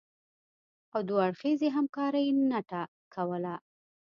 او دوه اړخیزې همکارۍ نټه کوله